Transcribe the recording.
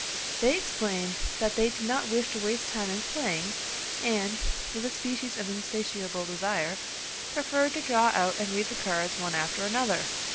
They explained that they did not wish to waste time in playing, and, with a species of insatiable desire, preferred to draw out and read the cards one after another!